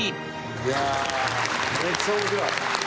「いやあ」「めっちゃ面白い！」